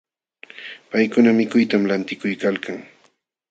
Paykuna mikuytam lantinakuykalkan.